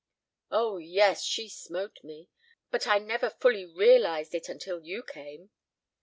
"Oh, yes, she smote me! But I never fully realized it until you came."